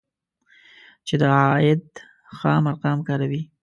چې د عاید خام ارقام کاروي